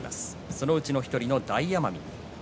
そのうちの１人、大奄美